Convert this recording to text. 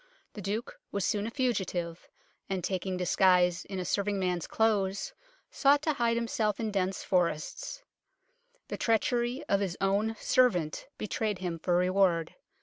The Duke was soon a fugitive, and taking disguise in a serving man's clothes sought to hide himself in dense forests. The treachery of his own servant betrayed him for reward.